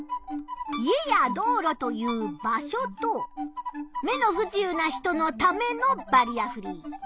家や道路という場所と目の不自由な人のためのバリアフリー。